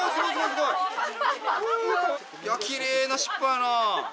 すごい！いやきれいな尻尾やなあ。